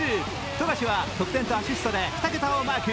富樫は得点とアシストで２桁をマーク。